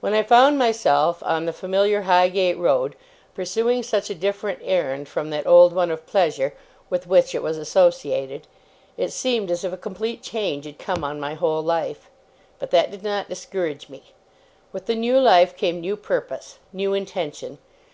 When I found myself on the familiar Highgate road, pursuing such a different errand from that old one of pleasure, with which it was associated, it seemed as if a complete change had come on my whole life. But that did not discourage me. With the new life, came new purpose, new intention.